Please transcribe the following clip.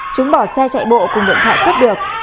chúng bỏ xe chạy bộ cùng điện thoại cướp được